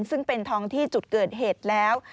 ซึ่งเป็นท้องที่จุดเกิดเหตุแล้ว